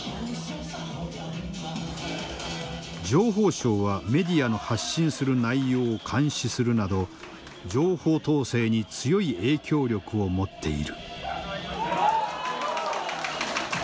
情報相はメディアの発信する内容を監視するなど情報統制に強い影響力を持っている。